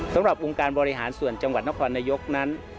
สำหรับองค์การบริหารส่วนจังหวัดนครนายกนั้น